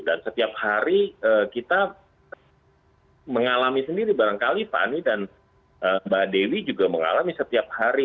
dan setiap hari kita mengalami sendiri barangkali fani dan mbak dewi juga mengalami setiap hari